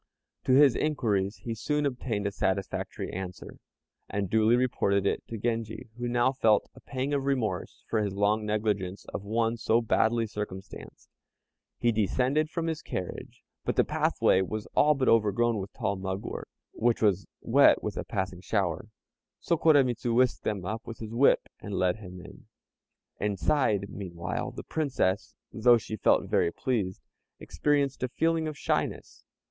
To his inquiries he soon obtained a satisfactory answer, and duly reported it to Genji, who now felt a pang of remorse for his long negligence of one so badly circumstanced. He descended from his carriage, but the pathway was all but overgrown with tall mugwort, which was wet with a passing shower; so Koremitz whisked them with his whip, and led him in. Inside, meanwhile, the Princess, though she felt very pleased, experienced a feeling of shyness.